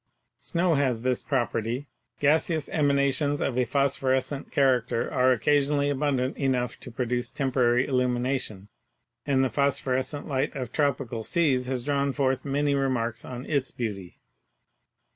Snow has this property. Gaseous emanations of a phosphorescent character are occasionally abundant enough to produce temporary illumination, and the phosphorescent light of tropical seas has drawn forth many remarks on its beauty."